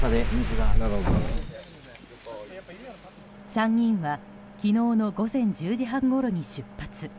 ３人は昨日の午前１０時半ごろに出発。